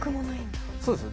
そうですね。